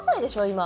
今。